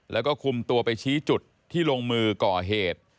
แล้วก็คุมตัวไปชี้จุดที่ลงมือก่อเหตุ